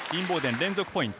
連続ポイント。